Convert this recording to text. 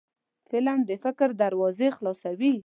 فلم د فکر دروازې خلاصوي